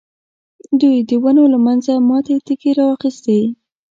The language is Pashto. دوی د ونو له منځه ماتې تېږې را اخیستې.